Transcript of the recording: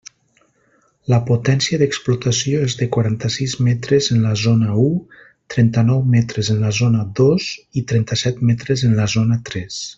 La potència d'explotació és de quaranta-sis metres en la zona u, trenta-nou metres en la zona dos i trenta-set metres en la zona tres.